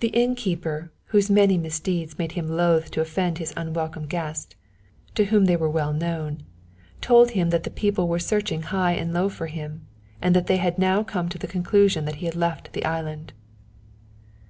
The innkeeper, whose many misdeeds made him loath to offend his unwelcome guest, to whom they were well known, told him that the people were searching high and low for him, and that they had now come to the conclusion that he had left the island.